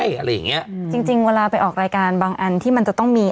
อะไรอย่างเงี้ยอืมจริงจริงเวลาไปออกรายการบางอันที่มันจะต้องมี